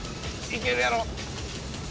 いけるやろ。